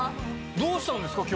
どうしたんですか？